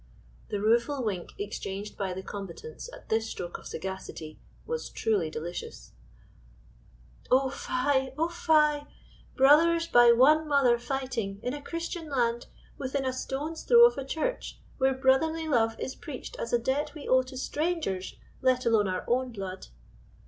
The rueful wink exchanged by the combatants at this stroke of sagacity was truly delicious. "Oh, fie! oh, fie! brothers by one mother fighting in a Christian land within a stone's throw of a church, where brotherly love is preached as a debt we owe to strangers, let alone our own blood."